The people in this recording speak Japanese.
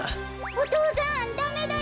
お父さんダメだよ。